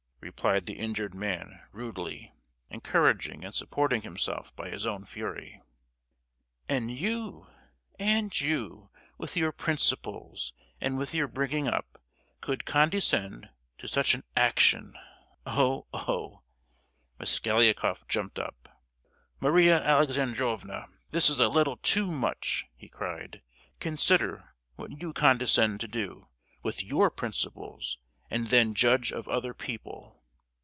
replied the injured man, rudely; encouraging and supporting himself by his own fury. "And you—and you—with your principles, and with your bringing up, could condescend to such an action—Oh, oh!" Mosgliakoff jumped up. "Maria Alexandrovna, this is a little too much!" he cried. "Consider what you condescend to do, with your principles, and then judge of other people."